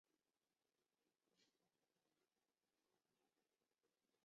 关内车站的铁路车站。